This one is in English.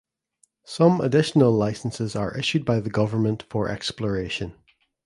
Some additional licenses are issued by the government for exploration.